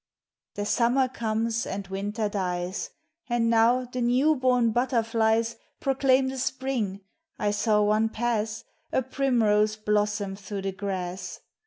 The Summer comes and Winter dies, And now the new born butterflies Proclaim the Spring I saw one pass A primrose blossom through the grass.